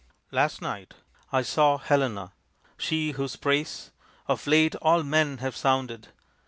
Last night I saw Helena. She whose praise Of late all men have sounded.